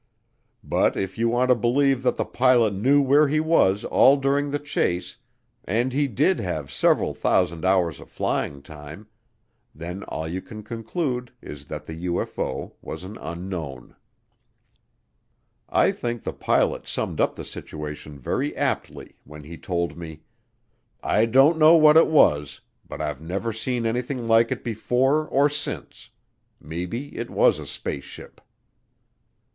But if you want to believe that the pilot knew where he was all during the chase, and he did have several thousand hours of flying time, then all you can conclude is that the UFO was an unknown. I think the pilot summed up the situation very aptly when he told me, "I don't know what it was, but I've never seen anything like it before or since maybe it was a spaceship."